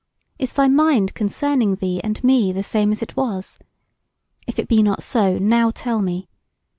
Is thy mind concerning thee and me the same as it was? If it be not so, now tell me.